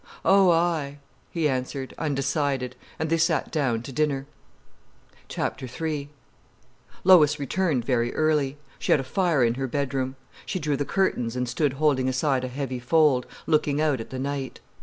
"Oh, aye!" he answered, undecided, and they sat down to dinner. III Lois retired very early. She had a fire in her bedroom. She drew the curtains and stood holding aside a heavy fold, looking out at the night.